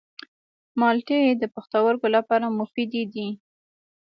مالټې د پښتورګو لپاره مفیدې دي.